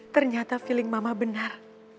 ternyata perasaan mama benar